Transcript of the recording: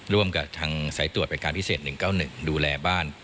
ร่วมกับทางสายตรวจเป็นการพิเศษ๑๙๑ดูแลบ้าน